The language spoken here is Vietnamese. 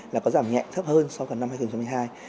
là có giảm nhẹ thấp hơn so với cả năm hai nghìn hai mươi hai